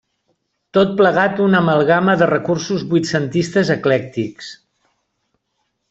Tot plegat, una amalgama de recursos vuitcentistes eclèctics.